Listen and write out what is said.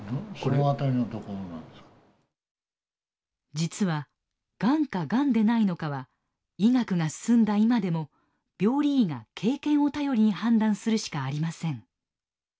実はがんかがんでないのかは医学が進んだ今でも病理医が経験を頼りに判断するしかありません。